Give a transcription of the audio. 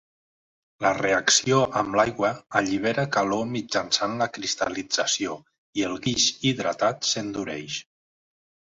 La reacció amb l'aigua allibera calor mitjançant la cristal·lització i el guix hidratat s'endureix.